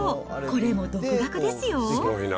これも独学ですよ。